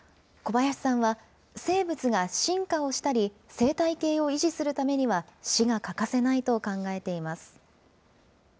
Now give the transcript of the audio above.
小林さんは、生物が進化をしたり、生態系を維持するためには、死が欠かせないと考えています。